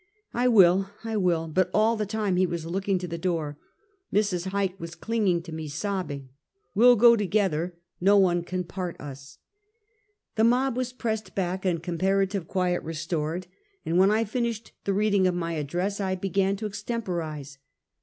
"I will, I w^ill," but all the time he was looking to the door; Mrs. Hyke was clinging to me sobbing: ""We'll go together; no one can part us," 188 Half a Centukt. The mob were pressed back and comparative quiet restored, and when I finished the reading of my ad dress I began to extemporize.